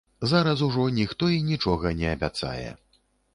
Зараз ужо ніхто і нічога не абяцае.